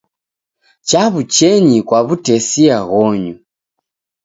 Chaw'uchaenyi kwa w'utesia ghonyu.